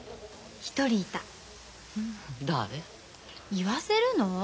言わせるの？